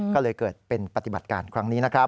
ก็เลยเกิดเป็นปฏิบัติการครั้งนี้นะครับ